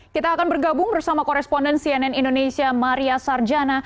kita akan bergabung bersama koresponden cnn indonesia maria sarjana